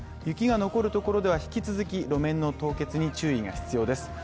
雪が残るところでは引き続き、路面の凍結に注意が必要です。